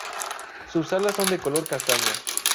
Sus alas son de color castaño.